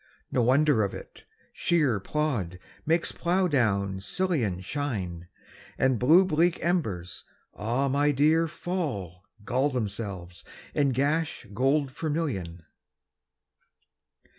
No wonder of it: shéer plód makes plough down sillion Shine, and blue bleak embers, ah my dear, Fall, gall themselves, and gash gold vermillion.